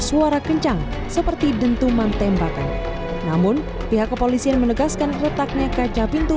suara kencang seperti dentuman tembakan namun pihak kepolisian menegaskan retaknya kaca pintu